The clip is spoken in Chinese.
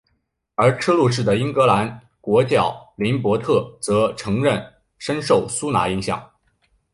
而车路士的英格兰国脚林柏特则承认深受苏拿影响。